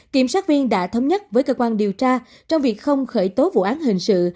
kiểm sát viên đã thống nhất với cơ quan điều tra trong việc không khởi tố vụ án hình sự